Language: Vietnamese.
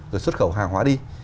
rồi xuất khẩu hàng hóa đi